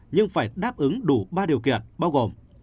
nhưng phải đáp ứng đủ ba điều kiện bao gồm